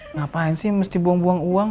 ngapain sih mesti buang buang uang